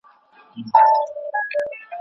که موږ په پښتو پوه شو، نو خبرې به صحیح وي.